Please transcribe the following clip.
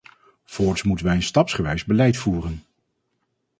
Voorts moeten wij een stapsgewijs beleid voeren.